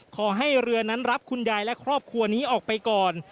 ขอให้เรือนั้นรับคุณยายและครอบครัวนี้ออกไปก่อน